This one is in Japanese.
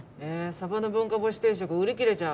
サバの文化干し定食売り切れちゃう。